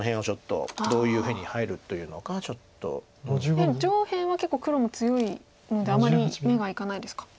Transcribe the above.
やはり上辺は結構黒も強いのであまり目がいかないですか。